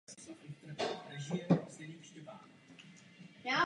Součástí stavby je také věž s hodinami a zvonem.